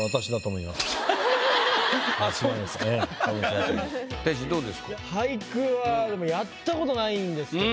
いや俳句はでもやった事ないんですけど。